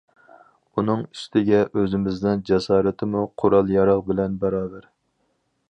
ئۇنىڭ ئۈستىگە ئۆزىمىزنىڭ جاسارىتىمۇ قورال- ياراغ بىلەن باراۋەر.